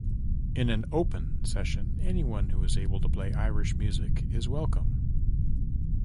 In an "open" session, anyone who is able to play Irish music is welcome.